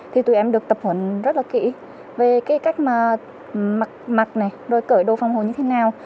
thì tụi em được tập huẩn rất là kỹ về cách mặt mặt cởi đồ phòng hồ như thế nào